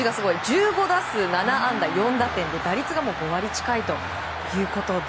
１５打数７安打４打点で打率が５割近いということで。